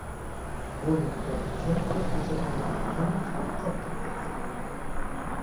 بۇ نۇقتا نىشان تىكلەش كۆرسەتمىلىرىنىڭ ھەممىسىدە قاتتىق تەكىتلىنىدۇ.